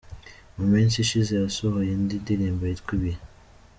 Mu minsi ishize yasohoye indi ndirimbo yitwa Ibihe.